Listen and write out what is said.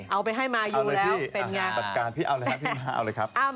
เอาเลยครับ